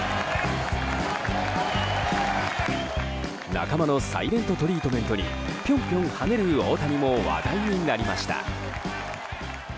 仲間のサイレント・トリートメントにぴょんぴょん跳ねる大谷も話題になりました。